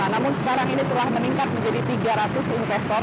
namun sekarang ini telah meningkat menjadi tiga ratus investor